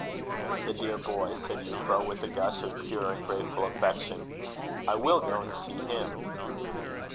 "The dear boy!" said Euphra, with a gush of pure and grateful affection; "I will go and see him."